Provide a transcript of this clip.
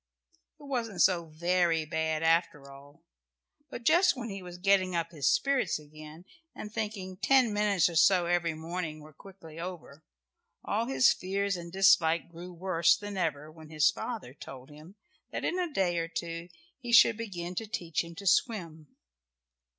It wasn't so very bad after all, but just when he was getting up his spirits again, and thinking ten minutes or so every morning were quickly over, all his fears and dislike grew worse than ever when his father told him that in a day or two he should begin to teach him to swim.